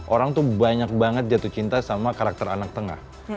orang tuh banyak banget jatuh cinta sama karakter anak tengah